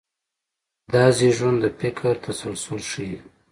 دا زېږون د فکر تسلسل ښيي.